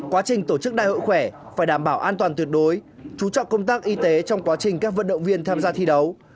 quá trình tổ chức đại hội khỏe phải đảm bảo an toàn tuyệt đối chú trọng công tác y tế trong quá trình các vận động viên tham gia thi đấu